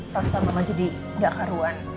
rasa mama jadi nggak keharuan